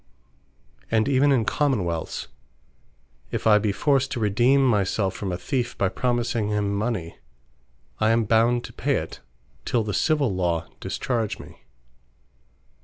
And even in Common wealths, if I be forced to redeem my selfe from a Theefe by promising him mony, I am bound to pay it, till the Civill Law discharge me.